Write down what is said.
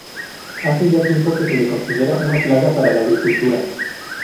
Hace ya tiempo que se le considera una plaga para la agricultura.